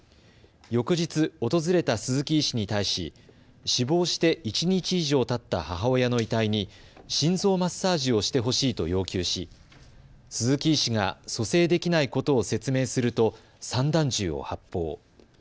翌日訪れた鈴木医師に対し死亡して１日以上たった母親の遺体に心臓マッサージをしてほしいと要求し、鈴木医師が蘇生できないことを説明すると散弾銃を発砲。